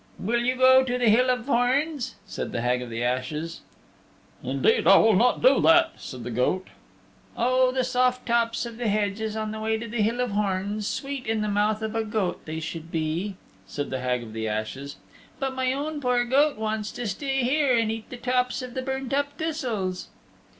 "Will you go to the Hill of Horns?" said the Hag of the Ashes. "Indeed, that I will not do," said the goat. "Oh, the soft tops of the hedges on the way to the Hill of Horns sweet in the mouth of a goat they should be," said the Hag of the Ashes. "But my own poor goat wants to stay here and eat the tops of the burnt up thistles."